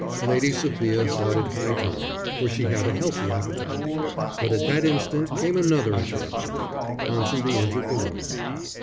Lady Sophia thought it high time, for she had a healthy appetite. But at that instant came another interruption. Ponsonby entered the room.